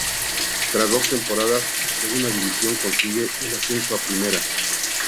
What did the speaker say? Tras dos temporadas en segunda División consigue el ascenso a Primera.